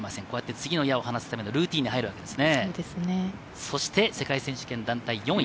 次の矢を撃つためのルーティンに入るわけですね。